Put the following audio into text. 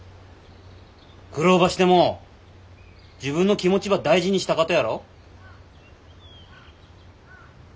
苦労ばしても自分の気持ちば大事にしたかとやろ？